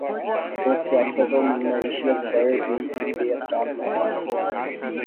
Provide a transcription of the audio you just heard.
تو سیاست ومعیشت پر بھی اس کے اثرات مرتب ہوتے ہیں۔